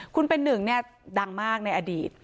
คุณเป็นหนึ่งเนี่ยดังมากในอดีต